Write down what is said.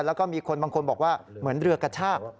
แล้วก็มีคนบางคนบอกว่าเหมือนเรือกระชาก